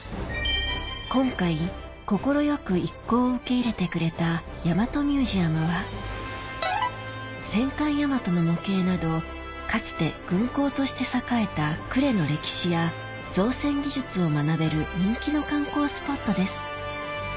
今回快く一行を受け入れてくれた戦艦大和の模型などかつて軍港として栄えた呉の歴史や造船技術を学べる人気の観光スポットです